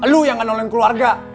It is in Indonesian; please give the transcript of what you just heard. lu yang nggak nolongin keluarga